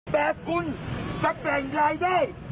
แบบคุณจะแบ่งรายได้